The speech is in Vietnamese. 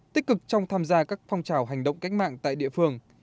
tích cực trong tham gia các phong trào hành động cách mạng tại địa phương